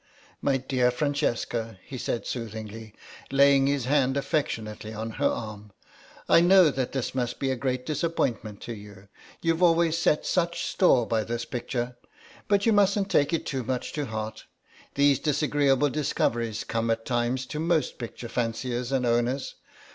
"My dear Francesca," he said soothingly, laying his hand affectionately on her arm, "I know that this must be a great disappointment to you, you've always set such store by this picture, but you mustn't take it too much to heart. These disagreeable discoveries come at times to most picture fanciers and owners.